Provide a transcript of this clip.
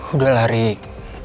udah lah rick